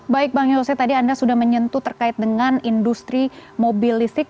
baik bang yose tadi anda sudah menyentuh terkait dengan industri mobil listrik